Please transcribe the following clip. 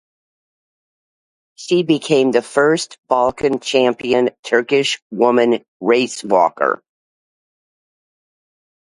She became the first Balkan champion Turkish woman race walker.